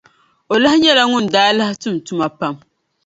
O lahi nyɛla ŋun daa lahi tum tuma pam.